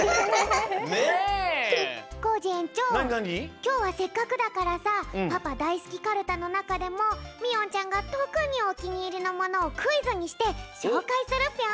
きょうはせっかくだからさパパだいすきカルタのなかでもみおんちゃんがとくにおきにいりのものをクイズにしてしょうかいするぴょん。